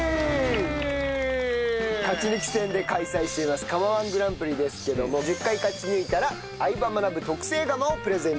勝ち抜き戦で開催しています釜−１グランプリですけども１０回勝ち抜いたら『相葉マナブ』特製釜をプレゼント致します。